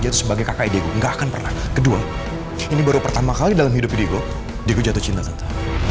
tidak akan pernah kedua ini baru pertama kali dalam hidup diego diego jatuh cinta